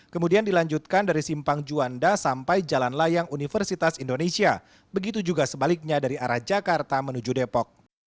kemudian dilanjutkan dari simpang juanda sampai jalan layang universitas indonesia begitu juga sebaliknya dari arah jakarta menuju depok